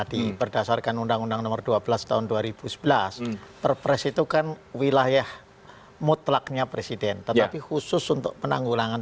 tahun dua ribu sebelas perpres itu kan wilayah mutlaknya presiden tetapi khusus untuk penanggulangan